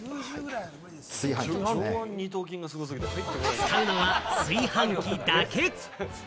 使うのは炊飯器だけ。